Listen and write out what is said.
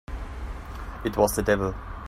It was the devil!